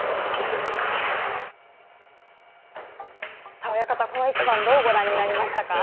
さあ親方、この一番、どうご覧になりましたか。